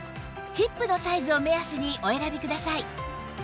ヒップのサイズを目安にお選びください